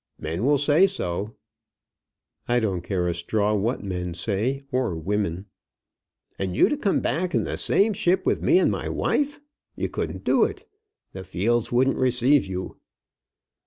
"Men will say so." "I don't care a straw what men say, or women." "And you to come back in the same ship with me and my wife! You couldn't do it. The Fields wouldn't receive you."